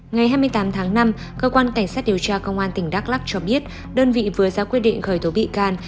ngày hai mươi tám tháng năm cơ quan cảnh sát điều tra công an tỉnh đắk lắc cho biết đơn vị vừa ra quyết định khởi tố bị can